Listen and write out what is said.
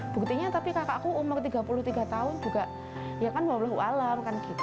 berikutnya tapi kakakku umur tiga puluh tiga tahun juga ya kan wabah alam kan gitu